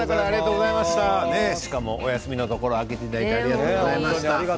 お休みのところ開けていただいてありがとうございました。